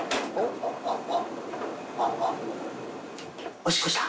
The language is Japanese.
おしっこした。